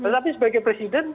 tapi sebagai presiden